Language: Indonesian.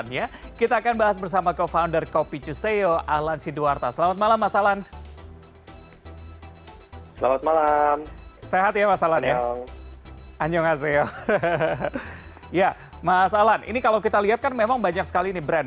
ya mas alan ini kalau kita lihat kan memang banyak sekali nih brand